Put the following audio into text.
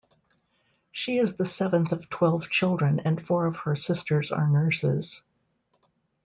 She is the seventh of twelve children and four of her sisters are nurses.